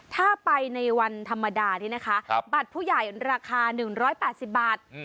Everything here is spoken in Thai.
ถ้าไปในวันธรรมดานี่นะคะบัตรผู้ใหญ่ราคา๑๘๐บาท